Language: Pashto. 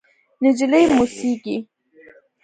نجلۍ موسېږي…